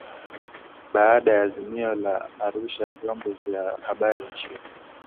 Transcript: Baada ya Azimio la Arusha vyombo vya habari nchini